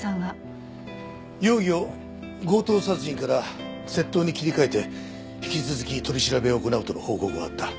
容疑を強盗殺人から窃盗に切り替えて引き続き取り調べを行うとの報告があった。